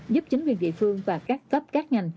giúp chính quyền địa phương và các cấp các ngành